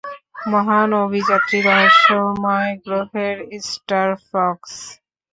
মহান অভিযাত্রী, রহস্যময় গ্রহের স্টারফক্স।